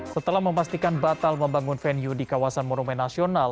setelah memastikan batal membangun venue di kawasan monumen nasional